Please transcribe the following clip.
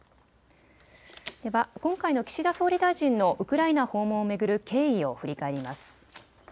では今回の岸田総理大臣のウクライナ訪問を巡る経緯を振り返ります。